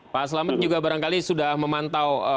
pak selamat juga barangkali sudah memantau